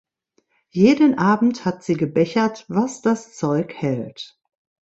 Jeden Abend hat sie gebechert, was das Zeug hält.